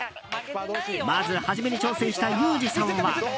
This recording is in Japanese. まず初めに挑戦したユージさんは。